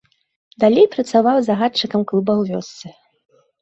Далей працаваў загадчыкам клуба ў вёсцы.